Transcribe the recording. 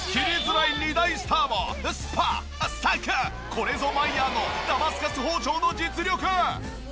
これぞマイヤーのダマスカス包丁の実力。